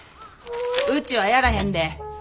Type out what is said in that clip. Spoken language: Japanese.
うちはやらへんで。